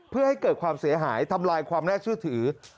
เพื่อให้เกิดความเสียหายทำลายความน่าเชื่อถือ